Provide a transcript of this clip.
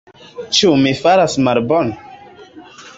Ĉu mi fartas malbone?